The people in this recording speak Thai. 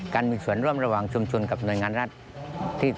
มีส่วนร่วมระหว่างชุมชนกับหน่วยงานรัฐ